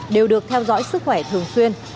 đều được theo dõi sức khỏe thường xuyên